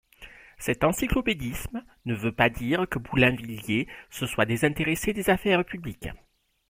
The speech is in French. Cet encyclopédisme ne veut pas dire que Boulainvilliers se soit désintéressé des affaires publiques.